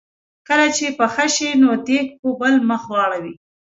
کله چې پخه شي نو دیګ په بل مخ واړوي.